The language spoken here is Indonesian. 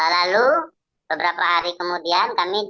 lalu beberapa hari kemudian kami